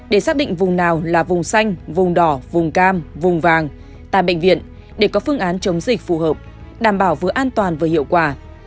để xác định vùng nào là vùng xanh vùng đỏ vùng cam vùng vàng tại bệnh viện để có phương án chống dịch phù hợp đảm bảo vừa an toàn vừa hiệu quả